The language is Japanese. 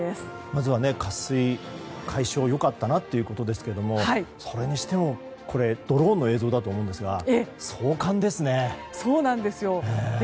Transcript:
まずは渇水解消良かったなということですがそれにしてもドローンの映像だと思うんですがそうなんです。